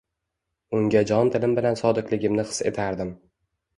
Unga jon-dilim bilan sodiqligimni his etardim.